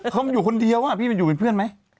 เขาอยู่คนเดียวพี่มันอยู่เป็นเพื่อนไหม